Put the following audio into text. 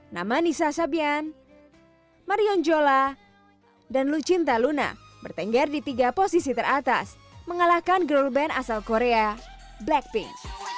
nama nisa sabian marion jola dan lucinta luna bertengger di tiga posisi teratas mengalahkan girl band asal korea blackpink